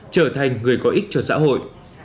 trở thành người có ích cho xã hội